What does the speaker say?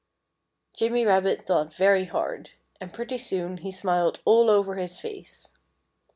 Jimmy Rabbit thought very hard. And pretty soon he smiled all over his face.